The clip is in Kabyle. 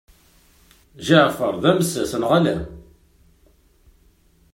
Ǧeɛfer d amessas neɣ ala?